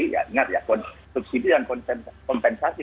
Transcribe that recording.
ya ingat ya subsidi dan kompensasi